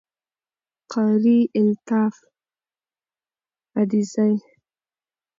Qari Altaf Adezai